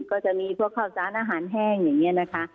ก็จะมีพวกข้าวสารอาหารแห้งอย่างนี้นะคะ